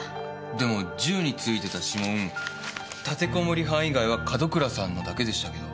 でも銃についてた指紋立てこもり犯以外は門倉さんのだけでしたけど。